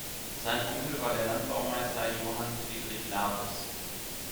Sein Onkel war der Landbaumeister Johann Friedrich Laves.